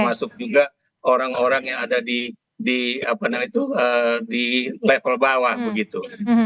masuk juga orang orang yang ada di apa namanya itu di level bawah begitu